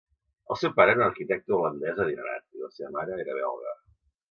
El seu pare era un arquitecte holandès adinerat, i la seva mare era belga.